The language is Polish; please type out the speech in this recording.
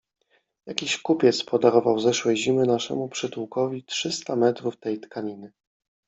Jakiś kupiec podarował zeszłej zimy naszemu przytułkowi trzysta metrów tej tkaniny.